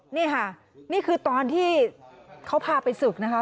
นี่ค่ะนี่คือตอนที่เขาพาไปศึกนะคะ